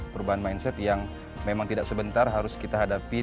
perubahan mindset yang memang tidak sebentar harus kita hadapi